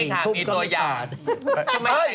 นี่ค่ะพี่ตัวอย่าง